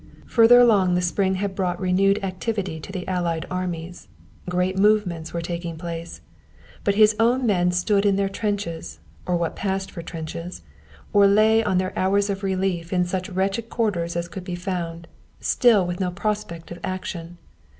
Further along the spring had brought renewed activity to the Allied armies. Great movements were taking place. But his own men stood in their trenches, or what passed for trenches, or lay on their hours of relief in such wretched quarters as could be found, still with no prospect of action.